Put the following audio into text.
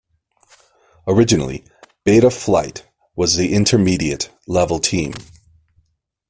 Originally, Beta Flight was the intermediate level team.